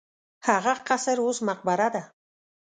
هغه قصر اوس مقبره ده.